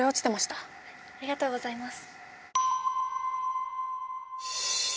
ありがとうございます。